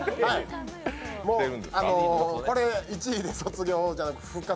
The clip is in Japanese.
もう、これ、１位で卒業じゃなく復活。